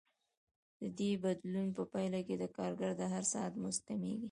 د دې بدلون په پایله کې د کارګر د هر ساعت مزد کمېږي